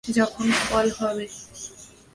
যখন ফল হবে।